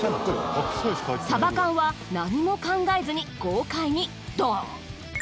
サバ缶は何も考えずに豪快にドーン！